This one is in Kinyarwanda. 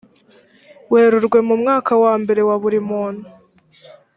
werurwe mu mwaka wa mbere wa buri muntu